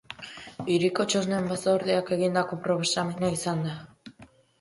Hiriko txosnen batzordeak egindako proposamena izan da.